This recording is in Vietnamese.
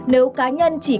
nếu cá nhân trả tiền